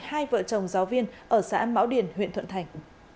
hai vợ chồng giáo viên ở xã mão điền huyện thuận thành